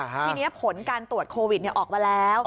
ทีนี้ผลการตรวจโควิดออกมาแล้ว